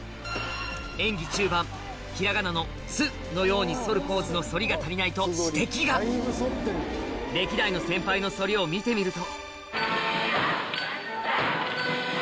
演技中盤平仮名の「つ」のように反るポーズの反りが足りないと指摘が歴代の先輩の反りを見てみると